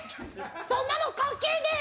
そんなの関係ねえ！